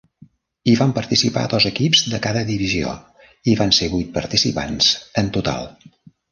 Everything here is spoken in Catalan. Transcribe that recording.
Hi van participar dos equips de cada divisió, i van ser vuit participants en total.